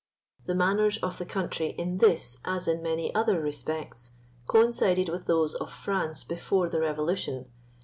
The manners of the country in this, as in many other respects, coincided with those of France before the Revolution.